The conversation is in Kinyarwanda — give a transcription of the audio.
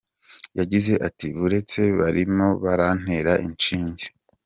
Yagize ati :” buretse barimo barantera inshinge”.